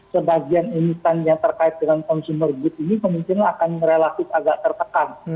sebagian emiten yang terkait dengan consumer good ini kemungkinan akan relatif agak tertekan